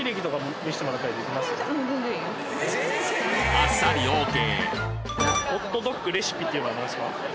あっさりＯＫ！